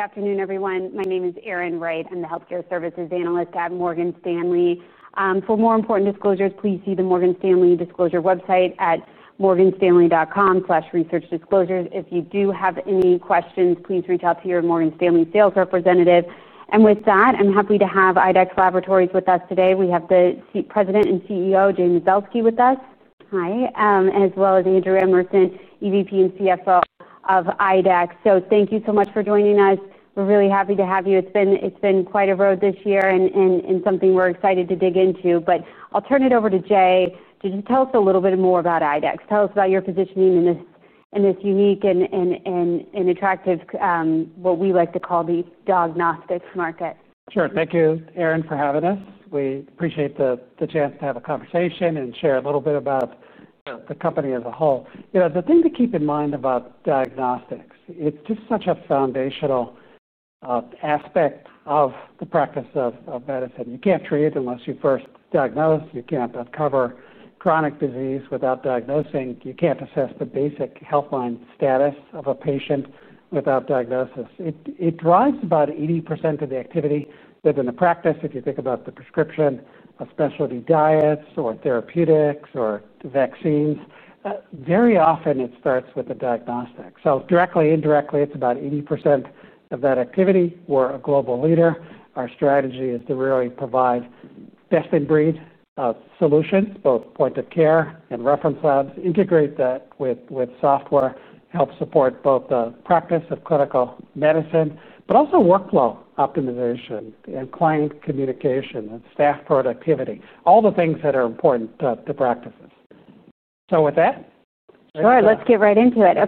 Good afternoon, everyone. My name is Erin Wright. I'm the Healthcare Services Analyst at Morgan Stanley. For more important disclosures, please see the Morgan Stanley disclosure website at morganstanley.com/researchdisclosures. If you do have any questions, please reach out to your Morgan Stanley sales representative. With that, I'm happy to have IDEXX Laboratories with us today. We have the President and CEO, Jay Mazelsky, with us. Hi. As well as Andrew Emerson, EVP and CFO of IDEXX. Thank you so much for joining us. We're really happy to have you. It's been quite a road this year and something we're excited to dig into. I'll turn it over to Jay. Could you tell us a little bit more about IDEXX? Tell us about your positioning in this unique and attractive, what we like to call the diagnostics market. Sure. Thank you, Erin, for having us. We appreciate the chance to have a conversation and share a little bit about the company as a whole. You know, the thing to keep in mind about diagnostics, it's just such a foundational aspect of the practice of medicine. You can't treat it unless you first diagnose. You can't uncover chronic disease without diagnosing. You can't assess the basic health line status of a patient without diagnosis. It drives about 80% of the activity within the practice. If you think about the prescription, especially diets or therapeutics or vaccines, very often it starts with a diagnostic. Directly or indirectly, it's about 80% of that activity. We're a global leader. Our strategy is to really provide best-in-breed solutions, both point of care and reference labs, integrate that with software, help support both the practice of clinical medicine, but also workflow optimization and client communication and staff productivity, all the things that are important to practices. All right. Let's get right into it.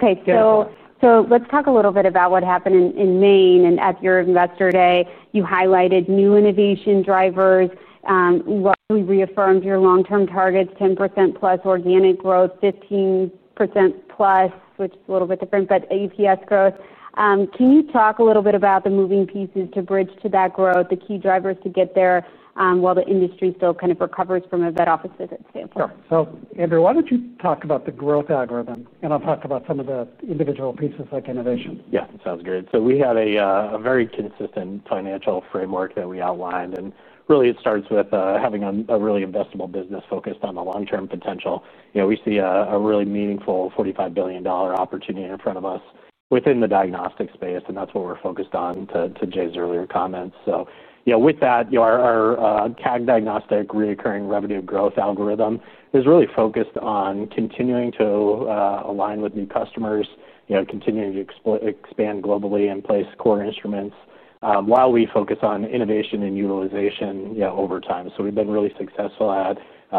Let's talk a little bit about what happened in Maine. At your investor day, you highlighted new innovation drivers, you reaffirmed your long-term targets, 10%+ organic growth, 15%+ EPS growth, which is a little bit different. Can you talk a little bit about the moving pieces to bridge to that growth, the key drivers to get there, while the industry still kind of recovers from a vet office visit standpoint? Sure. Andrew, why don't you talk about the growth algorithm, and I'll talk about some of the individual pieces like innovation? Yeah. It sounds great. We have a very consistent financial framework that we outlined. It really starts with having a really investable business focused on the long-term potential. You know, we see a really meaningful $45 billion opportunity in front of us within the diagnostics space. That's what we're focused on to Jay's earlier comments. With that, our CAG diagnostic recurring revenue growth algorithm is really focused on continuing to align with new customers, continuing to expand globally and place core instruments while we focus on innovation and utilization over time. We've been really successful at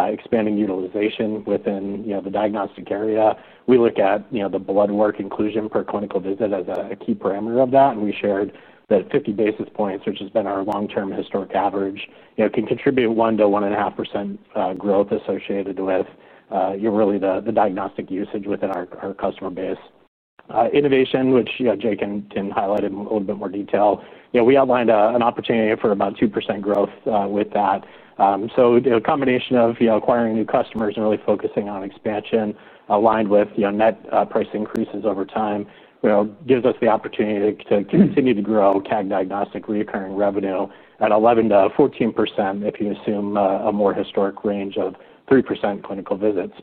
expanding utilization within the diagnostic area. We look at the bloodwork inclusion per clinical visit as a key parameter of that. We shared that 50 basis points, which has been our long-term historic average, can contribute 1%-1.5% growth associated with the diagnostic usage within our customer base. Innovation, which Jay can highlight in a little bit more detail, we outlined an opportunity for about 2% growth with that. The combination of acquiring new customers and really focusing on expansion aligned with net price increases over time gives us the opportunity to continue to grow CAG diagnostic recurring revenue at 11%-14% if you assume a more historic range of 3% clinical visits.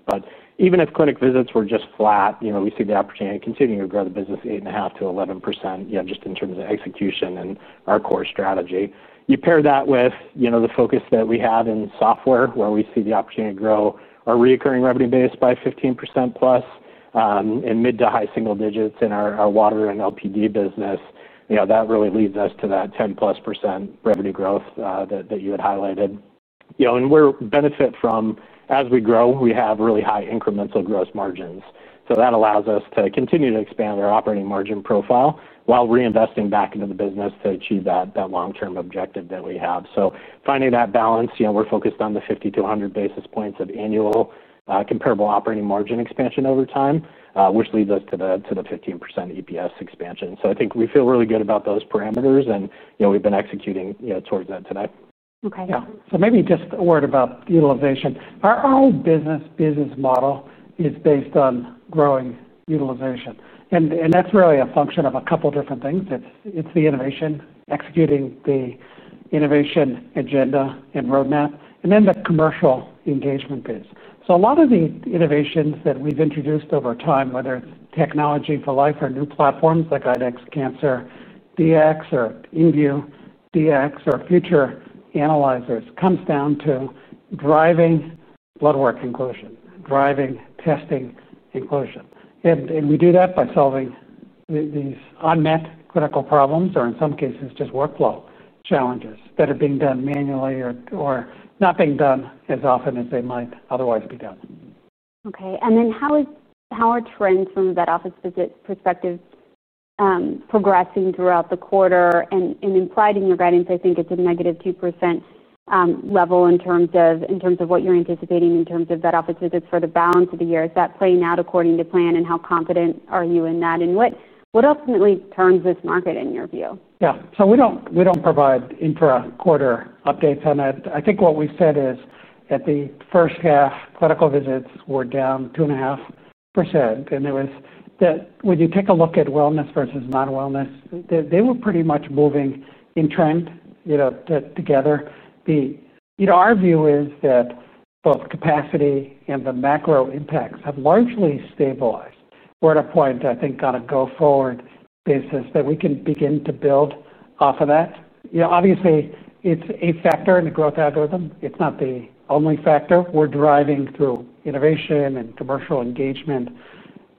Even if clinic visits were just flat, we see the opportunity to continue to grow the business 8.5%-11% just in terms of execution and our core strategy. You pair that with the focus that we have in software where we see the opportunity to grow our recurring revenue base by 15%+, in mid to high single digits in our Water and LPD business. That really leads us to that 10%+ revenue growth that you had highlighted. We're benefit from, as we grow, we have really high incremental growth margins. That allows us to continue to expand our operating margin profile while reinvesting back into the business to achieve that long-term objective that we have. Finding that balance, we're focused on the 50-100 basis points of annual comparable operating margin expansion over time, which leads us to the 15% EPS expansion. I think we feel really good about those parameters. We've been executing towards that today. Okay. Yeah. Maybe just a word about utilization. Our IS business model is based on growing utilization, and that's really a function of a couple of different things. It's the innovation, executing the innovation agenda and roadmap, and then the commercial engagement base. A lot of the innovations that we've introduced over time, whether it's technology for life or new platforms like IDEXX Cancer Dx or inVue Dx or future analyzers, comes down to driving bloodwork inclusion, driving testing inclusion. We do that by solving these unmet clinical problems or, in some cases, just workflow challenges that are being done manually or not being done as often as they might otherwise be done. Okay. How are trends from the vet office visit perspective progressing throughout the quarter? In your guidance, I think it's a -2% level in terms of what you're anticipating in terms of vet office visits for the balance of the year. Is that playing out according to plan, and how confident are you in that? What ultimately turns this market in your view? Yeah. We don't provide intra-quarter updates. I think what we've said is that the first half clinical visits were down 2.5%. When you take a look at wellness versus non-wellness, they were pretty much moving in trend together. Our view is that both capacity and the macro impacts have largely stabilized. We're at a point, on a go-forward basis, that we can begin to build off of that. Obviously, it's a factor in the growth algorithm. It's not the only factor. We're driving through innovation and commercial engagement,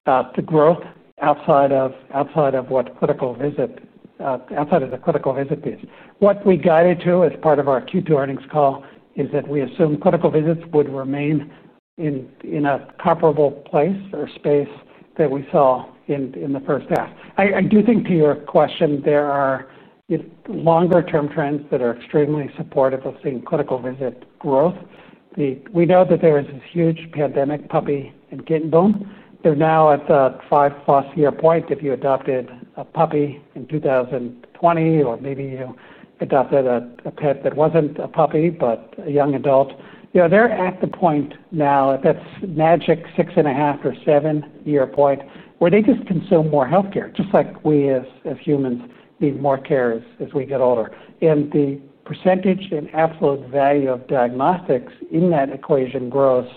the growth outside of what clinical visit, outside of the clinical visit base. What we guided to as part of our Q2 earnings call is that we assume clinical visits would remain in a comparable place or space that we saw in the first half. I do think, to your question, there are longer-term trends that are extremely supportive of seeing clinical visit growth. We know that there is this huge pandemic puppy and kitten boom. They're now at the 5+ year point. If you adopted a puppy in 2020 or maybe you adopted a pet that wasn't a puppy but a young adult, they're at the point now at that magic 6.5 or 7-year point where they just consume more healthcare, just like we as humans need more care as we get older. The percentage and absolute value of diagnostics in that equation grows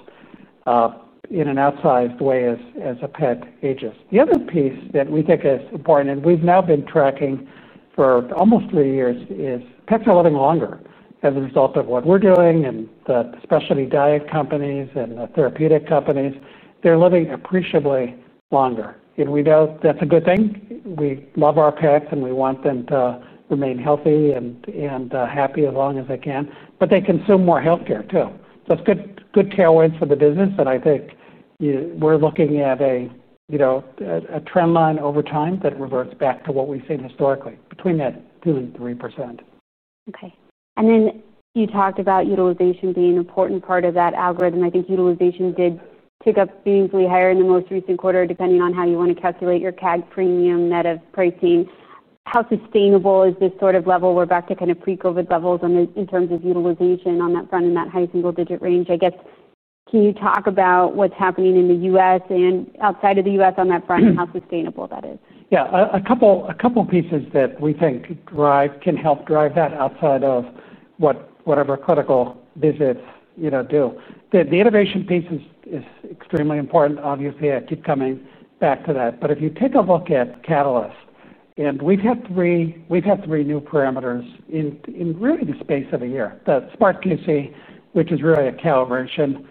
in an outsized way as a pet ages. The other piece that we think is important, and we've now been tracking for almost three years, is pets are living longer as a result of what we're doing and the specialty diet companies and the therapeutic companies. They're living appreciably longer. We know that's a good thing. We love our pets and we want them to remain healthy and happy as long as they can. They consume more healthcare, too. It's good tailwinds for the business. I think we're looking at a trend line over time that reverts back to what we've seen historically between that 2%-3%. Okay. You talked about utilization being an important part of that algorithm. I think utilization did tick up seemingly higher in the most recent quarter, depending on how you want to calculate your CAG premium net of pricing. How sustainable is this sort of level? We're back to kind of pre-COVID levels in terms of utilization on that front in that high single-digit range. I guess, can you talk about what's happening in the U.S. and outside of the U.S. on that front and how sustainable that is? Yeah. A couple of pieces that we think can help drive that outside of whatever clinical visits, you know, do. The innovation piece is extremely important, obviously. I keep coming back to that. If you take a look at catalysts, we've had three new parameters in really the space of a year. The SPACS, which is really a calibration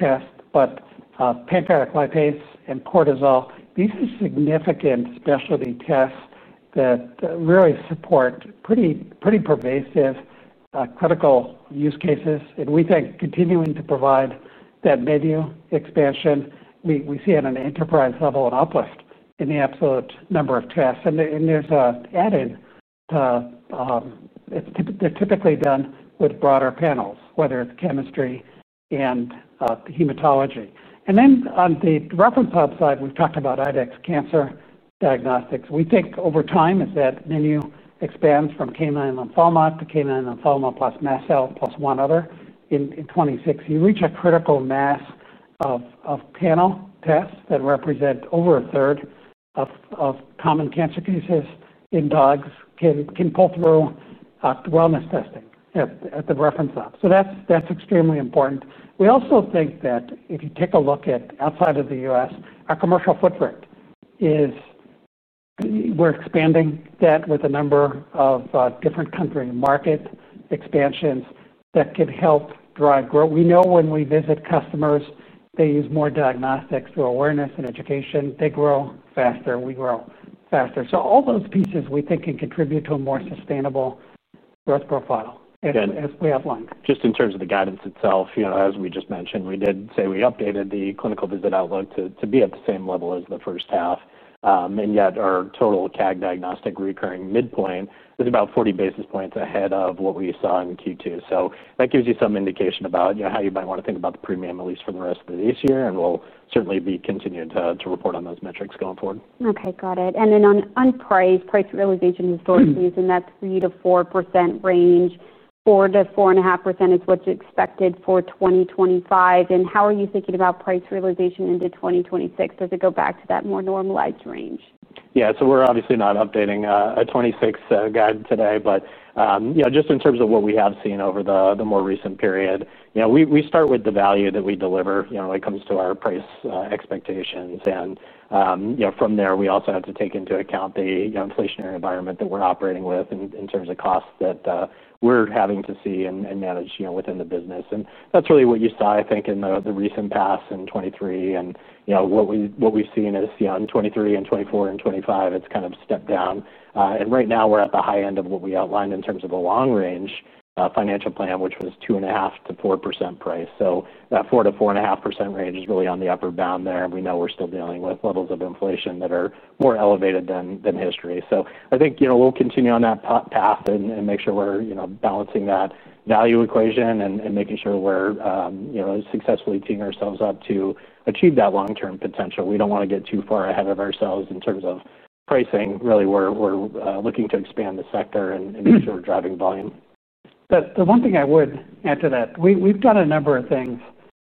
test, but pancreatic lipase and cortisol, these are significant specialty tests that really support pretty pervasive clinical use cases. We think continuing to provide that menu expansion, we see at an enterprise level an uplift in the absolute number of tests. There's an added to, it's they're typically done with broader panels, whether it's chemistry and hematology. On the reference lab side, we've talked about IDEXX Cancer Diagnostics. We think over time as that menu expands from canine lymphoma to canine lymphoma plus mast cell plus one other, in 2026, you reach a critical mass of panel tests that represent over a third of common cancer cases in dogs can pull through wellness testing at the reference lab. That's extremely important. We also think that if you take a look at outside of the U.S., our commercial footprint is we're expanding that with a number of different country market expansions that can help drive growth. We know when we visit customers, they use more diagnostics for awareness and education. They grow faster. We grow faster. All those pieces we think can contribute to a more sustainable growth profile as we outlined. Just in terms of the guidance itself, as we just mentioned, we did say we updated the clinical visit outlook to be at the same level as the first half, and yet our total CAG diagnostic recurring midpoint is about 40 basis points ahead of what we saw in Q2. That gives you some indication about how you might want to think about the premium, at least for the rest of this year. We'll certainly be continuing to report on those metrics going forward. Okay. Got it. On price, price realization and source use, in that 3%-4% range, 4%-4.5% is what's expected for 2025. How are you thinking about price realization into 2026? Does it go back to that more normalized range? Yeah. We're obviously not updating a 2026 guide today. Just in terms of what we have seen over the more recent period, we start with the value that we deliver when it comes to our price expectations. From there, we also have to take into account the inflationary environment that we're operating with in terms of costs that we're having to see and manage within the business. That's really what you saw, I think, in the recent past in 2023. What we've seen is, in 2023 and 2024 and 2025, it's kind of stepped down. Right now, we're at the high end of what we outlined in terms of a long-range financial plan, which was 2.5%-4% price. That 4%-4.5% range is really on the upper bound there. We know we're still dealing with levels of inflation that are more elevated than history. I think we'll continue on that path and make sure we're balancing that value equation and making sure we're successfully keying ourselves up to achieve that long-term potential. We don't want to get too far ahead of ourselves in terms of pricing. Really, we're looking to expand the sector and be sure we're driving volume. The one thing I would add to that, we've done a number of things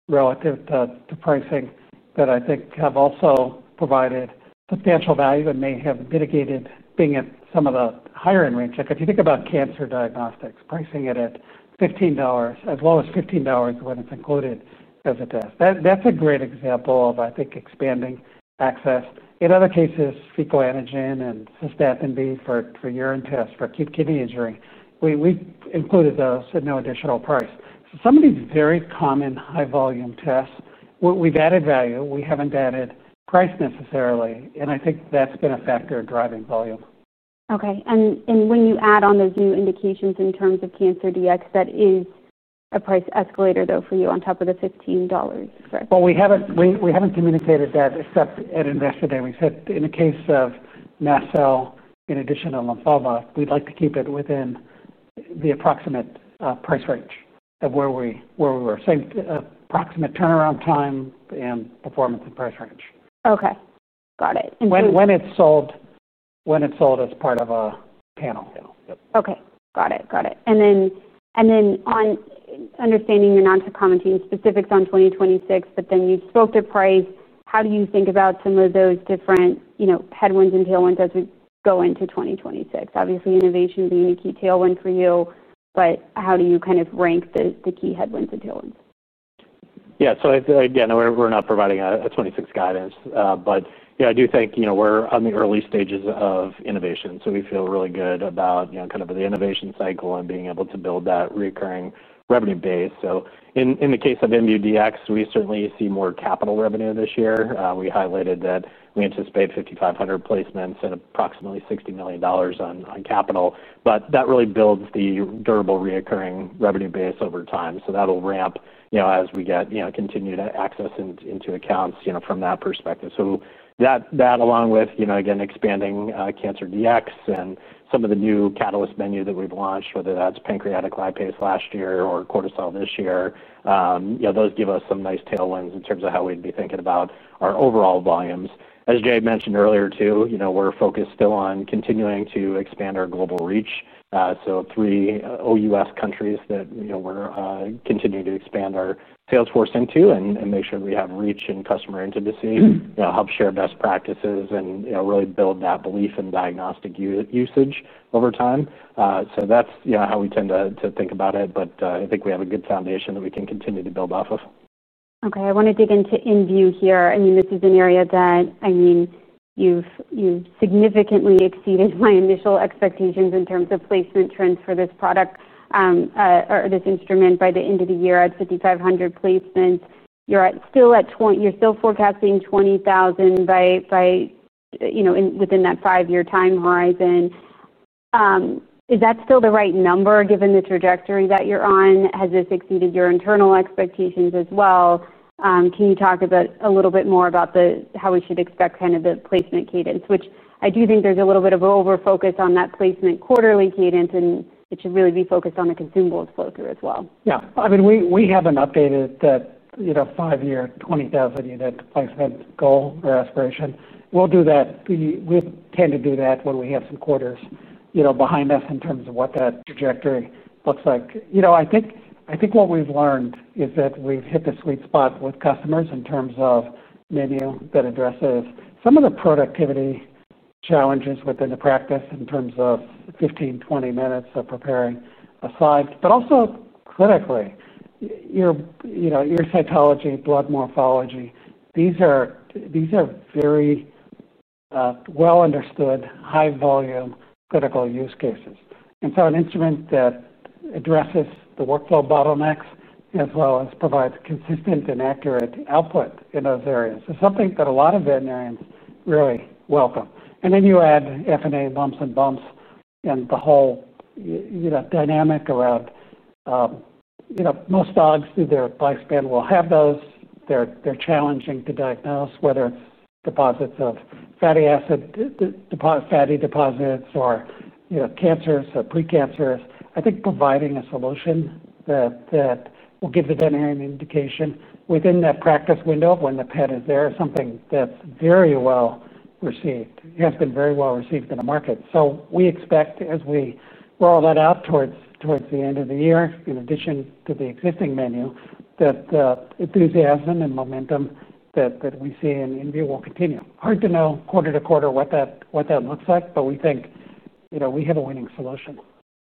relative to pricing that I think have also provided substantial value and may have mitigated being at some of the higher-end range. If you think about cancer diagnostics, pricing it at $15, as well as $15 when it's included as a test, that's a great example of, I think, expanding access. In other cases, fecal antigen and histopath for urine tests for acute kidney injury, we've included those at no additional price. Some of these very common high-volume tests, we've added value. We haven't added price necessarily. I think that's been a factor in driving volume. Okay. When you add on those new indications in terms of Cancer Dx, that is a price escalator for you on top of the $15 price. We haven't communicated that except at Investor Day. We said in the case of mast cell, in addition to lymphoma, we'd like to keep it within the approximate price range of where we were, same approximate turnaround time and performance of price range. Okay, got it. When it's sold as part of a panel. Okay. Got it. And then on understanding your non-toxicology and specifics on 2026, you spoke to price. How do you think about some of those different headwinds and tailwinds as we go into 2026? Obviously, innovation being a key tailwind for you, but how do you kind of rank the key headwinds and tailwinds? Yeah. We're not providing a 2026 guidance, but I do think we're on the early stages of innovation. We feel really good about the innovation cycle and being able to build that recurring revenue base. In the case of inVue Dx, we certainly see more capital revenue this year. We highlighted that we anticipate 5,500 placements and approximately $60 million on capital. That really builds the durable recurring revenue base over time. That will ramp as we get continued access into accounts from that perspective. That, along with expanding Cancer Dx and some of the new catalyst menu that we've launched, whether that's pancreatic lipase last year or cortisol this year, gives us some nice tailwinds in terms of how we'd be thinking about our overall volumes. As Jay mentioned earlier, we're focused still on continuing to expand our global reach. Three OUS countries that we're continuing to expand our sales force into and make sure we have reach and customer intimacy, help share best practices, and really build that belief in diagnostic usage over time. That's how we tend to think about it. I think we have a good foundation that we can continue to build off of. Okay. I want to dig inVue here. I mean, this is an area that, I mean, you've significantly exceeded my initial expectations in terms of placement trends for this product, or this instrument by the end of the year at 5,500 placements. You're still at 20,000, you're still forecasting 20,000 by, you know, within that five-year time horizon. Is that still the right number given the trajectory that you're on? Has this exceeded your internal expectations as well? Can you talk a little bit more about how we should expect kind of the placement cadence, which I do think there's a little bit of overfocus on that placement quarterly cadence, and it should really be focused on the consumables flow-through as well. Yeah. We haven't updated that five-year 20,000 unit placement goal or aspiration. We'll do that. We tend to do that when we have some quarters behind us in terms of what that trajectory looks like. I think what we've learned is that we've hit the sweet spot with customers in terms of menu that addresses some of the productivity challenges within the practice in terms of 15, 20 minutes of preparing a slide. Also, clinically, your cytology, blood morphology, these are very well-understood, high-volume clinical use cases. An instrument that addresses the workflow bottlenecks as well as provides consistent and accurate output in those areas is something that a lot of veterinarians really welcome. You add FNA, lumps and bumps, and the whole dynamic around most dogs through their lifespan will have those. They're challenging to diagnose whether deposits of fatty acid, fatty deposits, or cancers, so precancerous. I think providing a solution that will give the veterinarian an indication within that practice window of when the pet is there is something that's very well received, has been very well received in the market. We expect as we roll that out towards the end of the year, in addition to the existing menu, that the enthusiasm and momentum that we see inVue will continue. Hard to know quarter to quarter what that looks like, but we think we have a winning solution.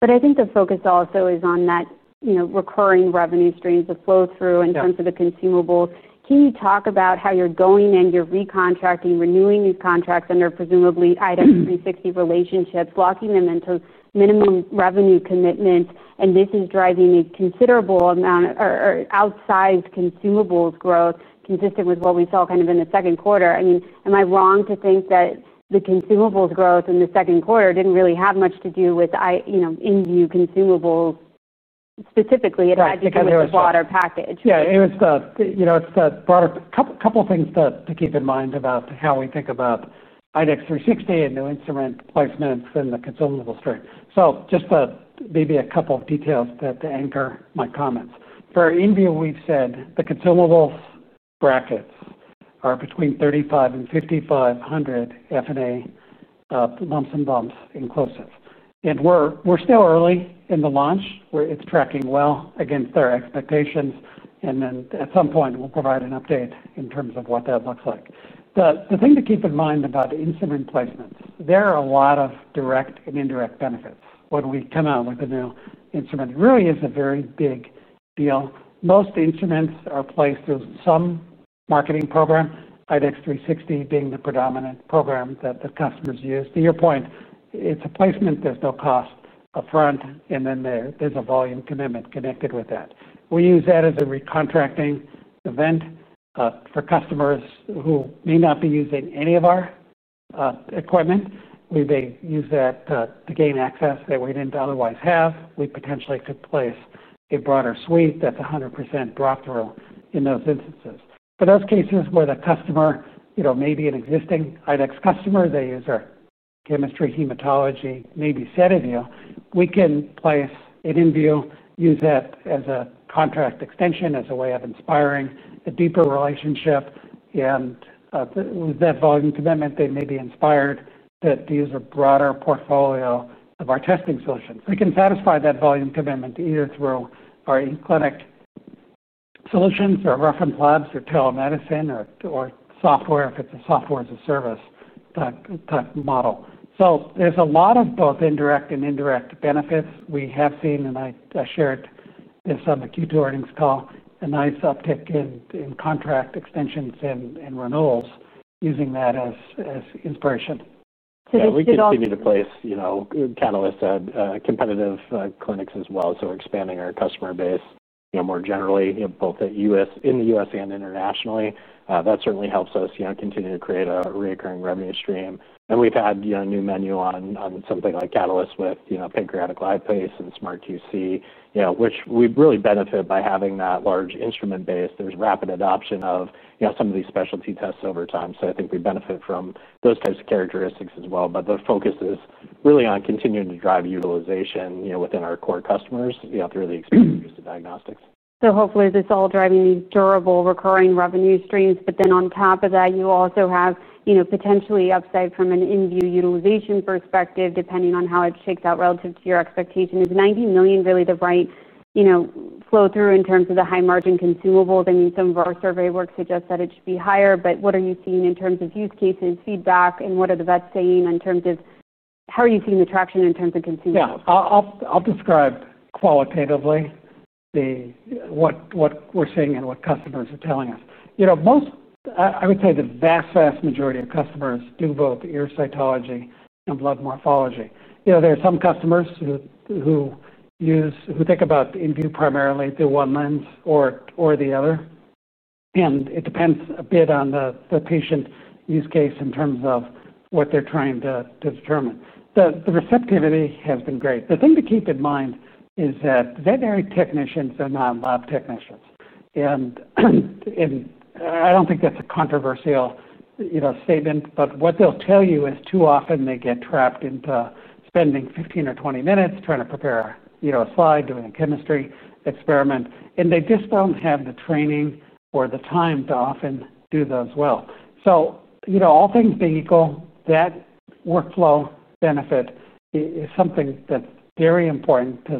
I think the focus also is on that recurring revenue streams of flow-through in terms of the consumables. Can you talk about how you're going and you're recontracting, renewing these contracts under presumably IDEXX 360 relationships, locking them into minimum revenue commitments? This is driving a considerable amount or outsized consumables growth consistent with what we saw in the second quarter. Am I wrong to think that the consumables growth in the second quarter didn't really have much to do with inVue consumables specifically or it was the broader package? Yeah. It's the broader, a couple of things to keep in mind about how we think about IDEXX 360 and new instrument placements and the consumables stream. Just maybe a couple of details to anchor my comments. For inVue, we've said the consumables brackets are between $3,500-$5,500 FNA, lumps and bumps, inclusives. We're still early in the launch. It's tracking well against our expectations. At some point, we'll provide an update in terms of what that looks like. The thing to keep in mind about instrument placements, there are a lot of direct and indirect benefits when we come out with a new instrument. It really is a very big deal. Most instruments are placed through some marketing program, IDEXX 360 being the predominant program that the customers use. To your point, it's a placement. There's no cost upfront, and then there's a volume commitment connected with that. We use that as a recontracting event for customers who may not be using any of our equipment. We may use that to gain access that we didn't otherwise have. We potentially could place a broader suite that's 100% brought through in those instances. For those cases where the customer may be an existing IDEXX customer, they use our chemistry, hematology, maybe Cetaphil, we can place an inVue, use that as a contract extension, as a way of inspiring a deeper relationship. With that volume commitment, they may be inspired to use a broader portfolio of our testing solutions. We can satisfy that volume commitment either through our in-clinic solutions or reference labs or telemedicine or software if it's a software as a service type model. There's a lot of both direct and indirect benefits we have seen. I shared this on the Q2 earnings call, a nice uptick in contract extensions and renewals using that as inspiration. We continue to place, you know, catalysts at competitive clinics as well. We're expanding our customer base, you know, more generally, you know, both in the U.S. and internationally. That certainly helps us, you know, continue to create a recurring revenue stream. We've had, you know, a new menu on something like catalysts with, you know, pancreatic lipase and SmartQC, you know, which we really benefit by having that large instrument base. There's rapid adoption of, you know, some of these specialty tests over time. I think we benefit from those types of characteristics as well. The focus is really on continuing to drive utilization, you know, within our core customers, you know, through the expanded use of diagnostics. Hopefully, this is all driving these durable recurring revenue streams. On top of that, you also have potentially upside from inVue utilization perspective, depending on how it shakes out relative to your expectation. Is $19 million really the right flow-through in terms of the high-margin consumables? Some of our survey work suggests that it should be higher. What are you seeing in terms of use cases, feedback, and what are the vets saying in terms of how you are seeing the traction in terms of consumables? Yeah. I'll describe qualitatively what we're seeing and what customers are telling us. You know, most, I would say the vast, vast majority of customers do vote ear cytology and blood morphology. You know, there are some customers who use, who think inVue primarily through one lens or the other. It depends a bit on the patient use case in terms of what they're trying to determine. The receptivity has been great. The thing to keep in mind is that veterinary technicians are not lab technicians. I don't think that's a controversial statement. What they'll tell you is too often they get trapped into spending 15 or 20 minutes trying to prepare a slide, doing a chemistry experiment. They just don't have the training or the time to often do those well. You know, all things being equal, that workflow benefit is something that's very important to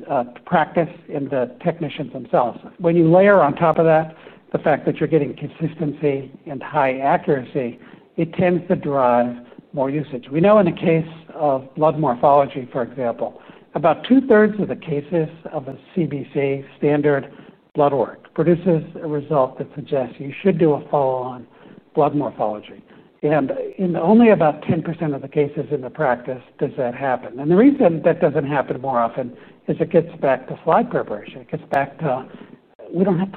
the practice and the technicians themselves. When you layer on top of that the fact that you're getting consistency and high accuracy, it tends to drive more usage. We know in the case of blood morphology, for example, about two-thirds of the cases of a CBC standard bloodwork produces a result that suggests you should do a follow-on blood morphology. In only about 10% of the cases in the practice does that happen. The reason that doesn't happen more often is it gets back to slide preparation. It gets back to you don't have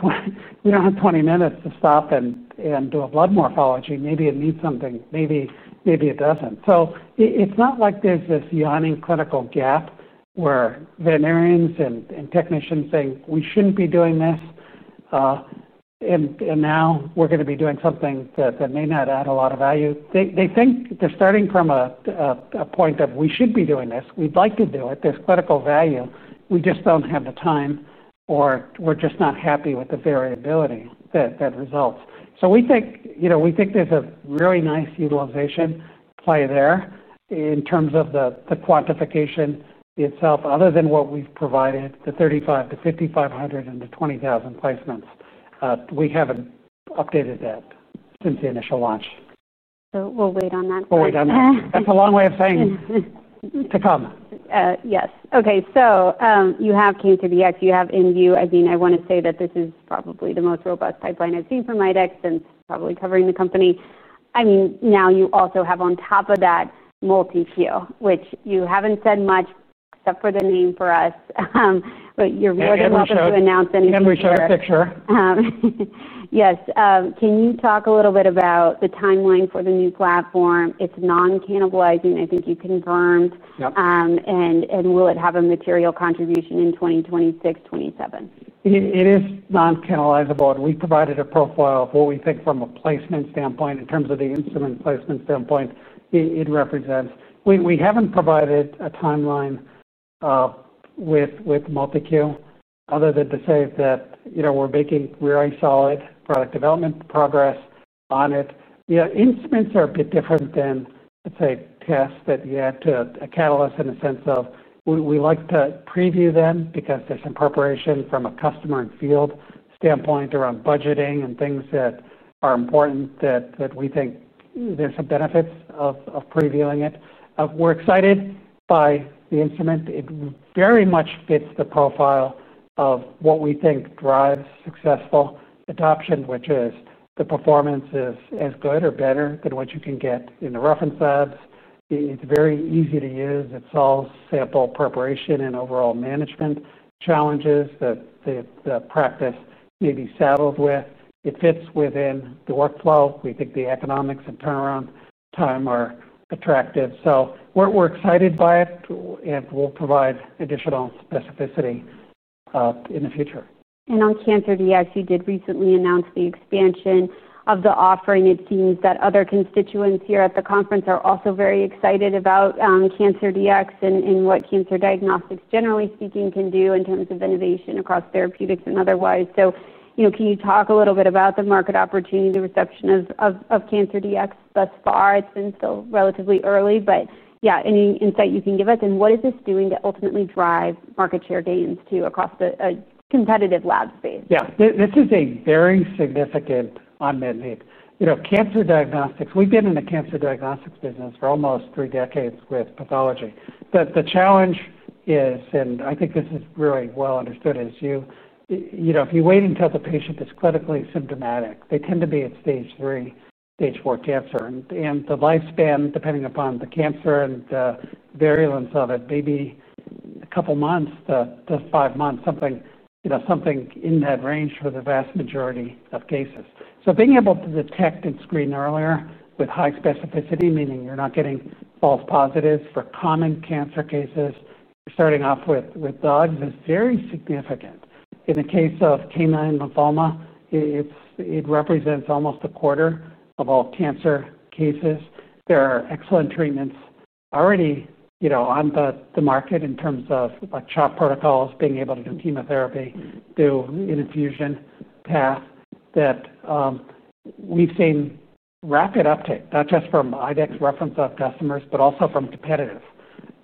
20 minutes to stop and do a blood morphology. Maybe it needs something. Maybe it doesn't. It's not like there's this yawning clinical gap where veterinarians and technicians think we shouldn't be doing this and now we're going to be doing something that may not add a lot of value. They think they're starting from a point of we should be doing this. We'd like to do it. There's clinical value. We just don't have the time or we're just not happy with the variability that results. We think there's a really nice utilization play there in terms of the quantification itself. Other than what we've provided, the 3,500-5,500 and the 20,000 placements, we haven't updated that since the initial launch. We will wait on that. We'll wait on that. That's a long way of saying it to come. Yes. Okay. You have Cancer Dx. You have inVue. I want to say that this is probably the most robust pipeline I've seen from IDEXX and probably covering the company. Now you also have on top of that MultiQ, which you haven't said much except for the name for us, but you're really looking to announce anything. You never show a picture. Yes. Can you talk a little bit about the timeline for the new platform? It's non-cannibalizing, I think you confirmed. Yep. Will it have a material contribution in 2026, 2027? It is non-cannibalizable. We provided a profile of what we think from a placement standpoint in terms of the instrument placement standpoint it represents. We haven't provided a timeline with MultiQ other than to say that we're making very solid product development progress on it. Instruments are a bit different than, let's say, tests that you add to a catalyst in the sense of we like to preview them because there's some preparation from a customer and field standpoint around budgeting and things that are important that we think there's some benefits of previewing it. We're excited by the instrument. It very much fits the profile of what we think drives successful adoption, which is the performance is as good or better than what you can get in the reference labs. It's very easy to use. It solves sample preparation and overall management challenges that the practice may be saddled with. It fits within the workflow. We think the economics and turnaround time are attractive. We're excited by it and will provide additional specificity in the future. On Cancer Dx, you did recently announce the expansion of the offering. It seems that other constituents here at the conference are also very excited about Cancer Dx and what cancer diagnostics, generally speaking, can do in terms of innovation across therapeutics and otherwise. Can you talk a little bit about the market opportunity, the reception of Cancer Dx thus far? It's been still relatively early, but any insight you can give us? What is this doing to ultimately drive market share gains too across the competitive lab space? Yeah. This is a very significant unmet need. You know, cancer diagnostics, we've been in the cancer diagnostics business for almost three decades with pathology. The challenge is, and I think this is really well understood, if you wait until the patient is clinically symptomatic, they tend to be at stage three, stage four cancer. The lifespan, depending upon the cancer and the variance of it, may be a couple of months to five months, something in that range for the vast majority of cases. Being able to detect and screen earlier with high specificity, meaning you're not getting false positives for common cancer cases, you're starting off with dogs, is very significant. In the case of canine lymphoma, it represents almost a quarter of all cancer cases. There are excellent treatments already on the market in terms of shot protocols, being able to do chemotherapy, do an infusion path that we've seen rapid uptake, not just from IDEXX reference customers, but also from competitive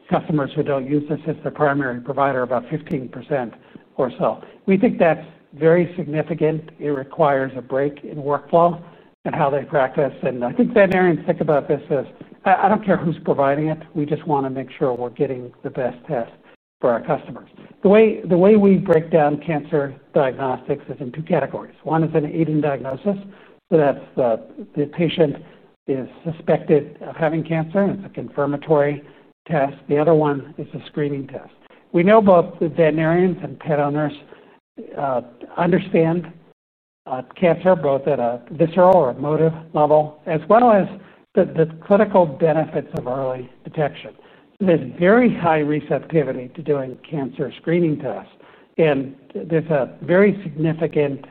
customers who don't use us as their primary provider, about 15% or so. We think that's very significant. It requires a break in workflow and how they practice. I think veterinarians think about this as, "I don't care who's providing it. We just want to make sure we're getting the best test for our customers." The way we break down cancer diagnostics is in two categories. One is an aiding diagnosis, so that's the patient is suspected of having cancer. It's a confirmatory test. The other one is a screening test. We know both the veterinarians and pet owners understand cancer both at a visceral or emotive level, as well as the clinical benefits of early detection. There's very high receptivity to doing cancer screening tests. There's a very significant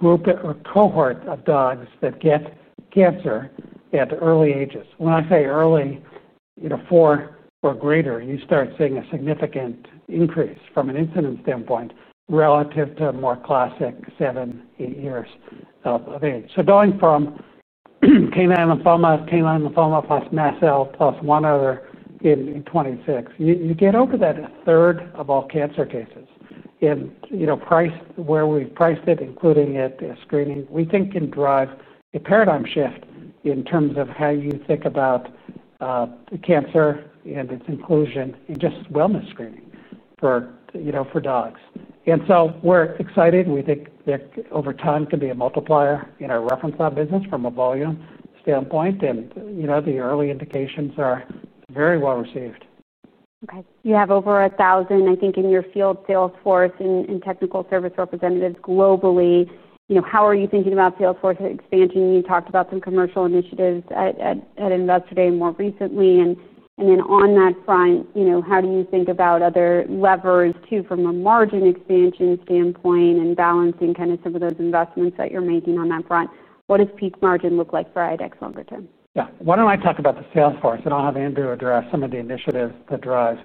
group or cohort of dogs that get cancer at early ages. When I say early, you know, four or greater, you start seeing a significant increase from an incident standpoint relative to more classic seven, eight years of age. Going from canine lymphoma, canine lymphoma plus mast cell plus one other in 2026, you get over that third of all cancer cases. Price, where we've priced it, including at screening, we think can drive a paradigm shift in terms of how you think about cancer and its inclusion in just wellness screening for dogs. We're excited. We think that over time can be a multiplier in our reference lab business from a volume standpoint. The early indications are very well received. Okay. You have over 1,000, I think, in your field, Salesforce and technical service representatives globally. How are you thinking about Salesforce expansion? You talked about some commercial initiatives at Investor Day and more recently. On that front, how do you think about other levers, too, from a margin expansion standpoint and balancing kind of some of those investments that you're making on that front? What does peak margin look like for IDEXX longer term? Yeah. Why don't I talk about the Salesforce? I'll have Andrew address some of the initiatives that drive,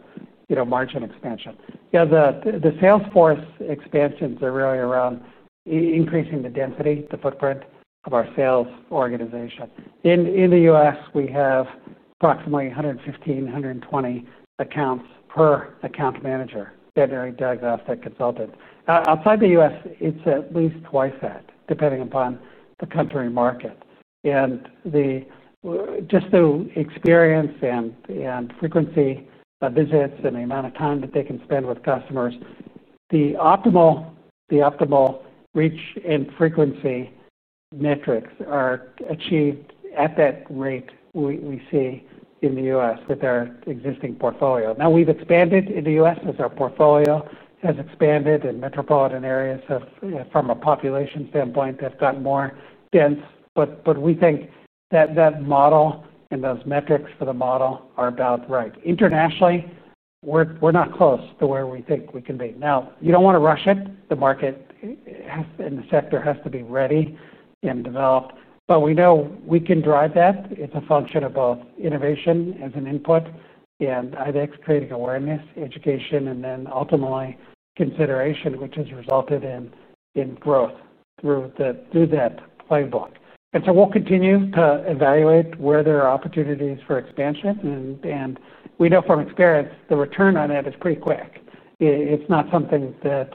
you know, margin expansion. The Salesforce expansions are really around increasing the density, the footprint of our sales organization. In the U.S., we have approximately 115, 120 accounts per account manager, veterinary diagnostic consultant. Outside the U.S., it's at least twice that, depending upon the country market. Just through experience and frequency of visits and the amount of time that they can spend with customers, the optimal reach and frequency metrics are achieved at that rate we see in the U.S. with our existing portfolio. Now, we've expanded in the U.S. as our portfolio has expanded in metropolitan areas from a population standpoint that's gotten more dense. We think that that model and those metrics for the model are about right. Internationally, we're not close to where we think we can be. You don't want to rush it. The market has and the sector has to be ready and developed. We know we can drive that. It's a function of both innovation as an input and IDEXX creating awareness, education, and then ultimately consideration, which has resulted in growth through that playbook. We'll continue to evaluate where there are opportunities for expansion. We know from experience, the return on that is pretty quick. It's not something that,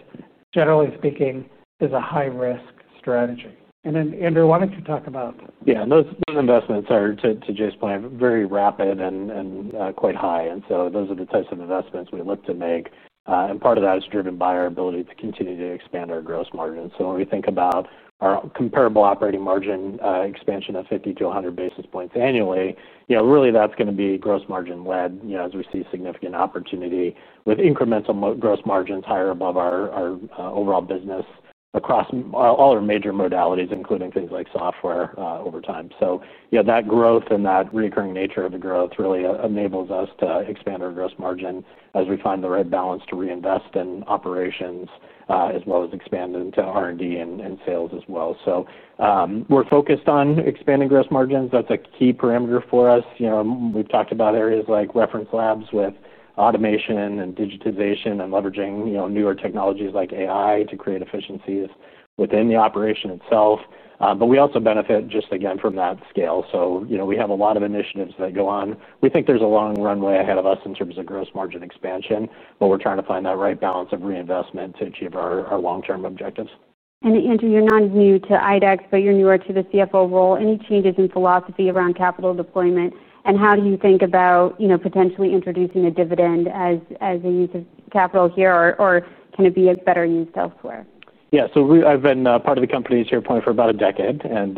generally speaking, is a high-risk strategy. Andrew, why don't you talk about? Yeah. Those investments are, to Jay's point, very rapid and quite high. Those are the types of investments we look to make. Part of that is driven by our ability to continue to expand our gross margins. When we think about our comparable operating margin expansion of 50-100 basis points annually, really, that's going to be gross margin led, as we see significant opportunity with incremental gross margins higher above our overall business across all our major modalities, including things like software over time. That growth and that recurring nature of the growth really enables us to expand our gross margin as we find the right balance to reinvest in operations, as well as expand into R&D and sales as well. We're focused on expanding gross margins. That's a key parameter for us. We've talked about areas like reference labs with automation and digitization and leveraging newer technologies like AI to create efficiencies within the operation itself. We also benefit just, again, from that scale. We have a lot of initiatives that go on. We think there's a long runway ahead of us in terms of gross margin expansion, and we're trying to find that right balance of reinvestment to achieve our long-term objectives. You're not new to IDEXX, but you're newer to the CFO role. Any changes in philosophy around capital deployment? How do you think about, you know, potentially introducing a dividend as a use of capital here, or can it be a better use elsewhere? Yeah. I've been part of the company, to your point, for about a decade. I've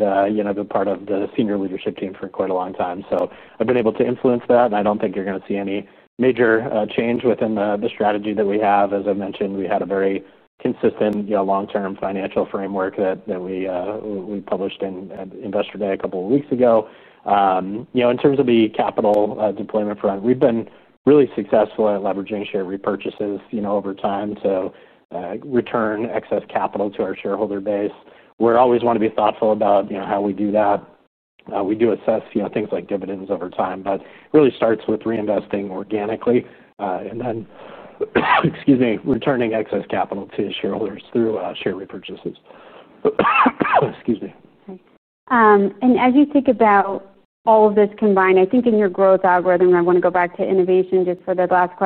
been part of the senior leadership team for quite a long time, so I've been able to influence that. I don't think you're going to see any major change within the strategy that we have. As I mentioned, we had a very consistent, long-term financial framework that we published at investor day a couple of weeks ago. In terms of the capital deployment front, we've been really successful at leveraging share repurchases over time to return excess capital to our shareholder base. We always want to be thoughtful about how we do that. We do assess things like dividends over time, but it really starts with reinvesting organically and then returning excess capital to shareholders through share repurchases. Excuse me. Okay, and as you think about all of this combined, I think in your growth algorithm, and I want to go back to innovation just for the last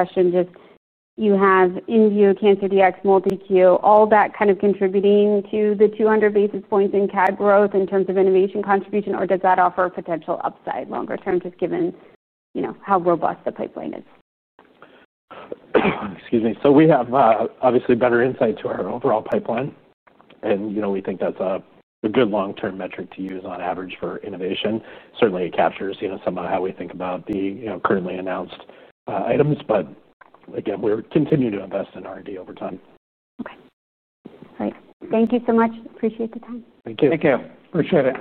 inVue, Cancer Dx, MultiQ, all that kind of contributing to the 200 basis points in CAG growth in terms of innovation contribution, or does that offer a potential upside longer term, just given, you know, how robust the pipeline is? Excuse me. We have, obviously, better insight to our overall pipeline. We think that's a good long-term metric to use on average for innovation. Certainly, it captures some of how we think about the currently announced items. Again, we're continuing to invest in R&D over time. Okay. All right. Thank you so much. Appreciate the time. Thank you. Thank you. Appreciate it.